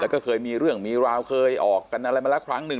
แล้วก็เคยมีเรื่องมีราวเคยออกกันอะไรมาแล้วครั้งหนึ่ง